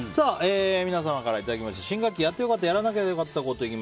皆様からいただきました新学期やってよかった・やらなきゃよかったコト